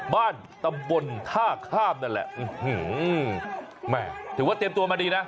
ตำบลท่าข้ามนั่นแหละแม่ถือว่าเตรียมตัวมาดีนะ